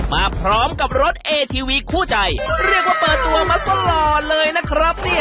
มาพร้อมกับรถเอทีวีคู่ใจเรียกว่าเปิดตัวมาสล่อเลยนะครับเนี่ย